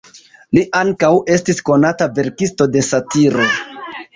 Li ankaŭ estis konata verkisto de satiro.